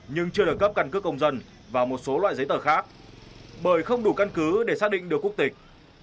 nhưng chưa được cấp căn cước công dân và một số loại giấy tờ khác bởi không đủ căn cứ để xác định được quốc tịch